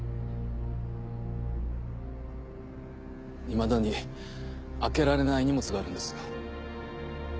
いまだに開けられない荷物があるんです。